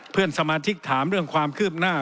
เพื่อนสมาชิกถามเรื่องความคืบหน้า